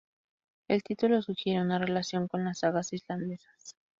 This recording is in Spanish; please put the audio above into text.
El título sugiere una relación con las sagas islandesas.